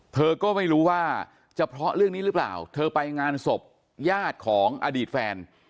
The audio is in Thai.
เธอก็ไม่รู้ว่าจะเพราะเรื่องนี้หรือเปล่าเธอไปงานศพญาติของอดีตแฟน